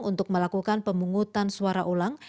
untuk melakukan pemungutan suara ulang